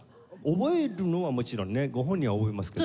覚えるのはもちろんねご本人は覚えますけど。